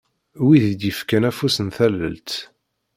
Wid i d-yefkan afus n tallelt.